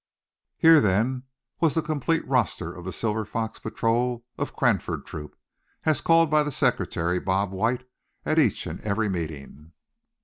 Here then was the complete roster of the Silver Fox Patrol of Cranford Troop, as called by the secretary, Bob White, at each and every meeting.